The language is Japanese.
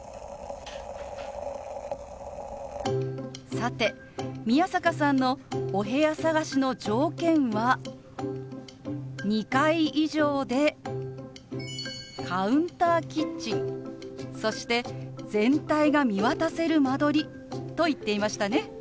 さて宮坂さんのお部屋探しの条件は２階以上でカウンターキッチンそして全体が見渡せる間取りと言っていましたね。